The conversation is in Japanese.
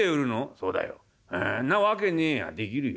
「そんな訳ねえや。できるよ」。